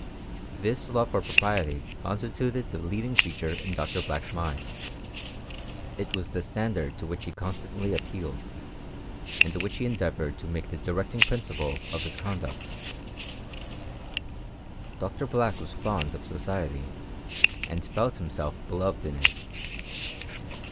This love of propriety constituted the leading feature in Dr. Black's mind ; it was the standard to which he constantly appealed, and which he endeavoured to make the directing principle of his conduct. Dr. Black was fond of society, and felt himself beloved in it.